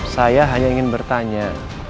saya hanya ingin bertanya